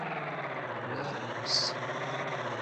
lernus